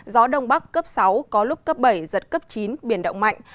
gió đông bắc cấp sáu có lúc cấp bảy giật cấp chín biển động mạnh